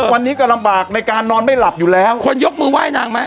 วันนี้ก็ลำบากในการนอนไม่หลับอยู่แล้วคนยกมือไหว้นางไหม